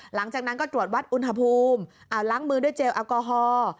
หลังจากนั้นก็ตรวจวัดอุณหภูมิล้างมือด้วยเจลแอลกอฮอล์